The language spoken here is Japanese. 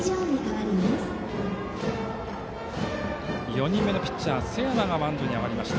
４人目のピッチャー瀬山がマウンドに上がりました。